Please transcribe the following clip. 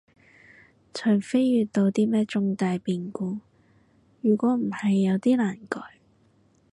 除非遇到啲咩重大變故，如果唔係有啲難改